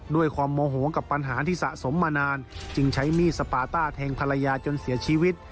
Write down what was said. ด้วยความโมโหกับปัญหาที่สะสมมานานจึงใช้มีดสปาต้าแทงภรรยาจนเสียชีวิต